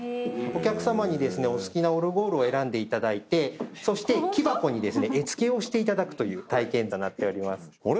お客さまにお好きなオルゴールを選んでいただいて木箱に絵付けをしていただくという体験となっております。